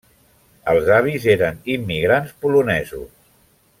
Els avis eren immigrants polonesos.